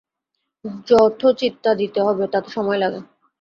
যথোচিত তা দিতে হবে, তাতে সময় লাগে।